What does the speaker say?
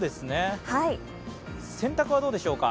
洗濯はどうでしょうか。